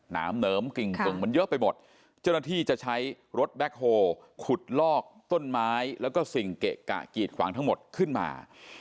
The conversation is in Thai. น้ำเหนิมกิ่งกึ่งมันเยอะไปหมดเจ้าหน้าที่จะใช้รถแบ็คโฮลขุดลอกต้นไม้แล้วก็สิ่งเกะกะกีดขวางทั้งหมดขึ้นมา